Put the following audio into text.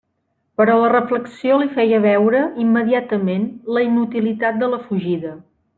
Però la reflexió li feia veure immediatament la inutilitat de la fugida.